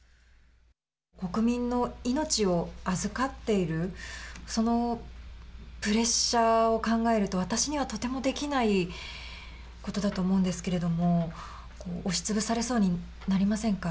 国民の命を預かっているそのプレッシャーを考えると私には、とてもできないことだと思うんですけれども押しつぶされそうになりませんか。